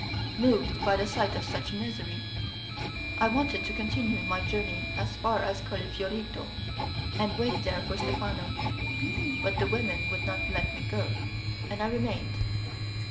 Moved by the sight of so much misery, I wanted to continue my journey as far as Collefiorito, and to wait there for Stephano, but the women would not let me go, and I remained.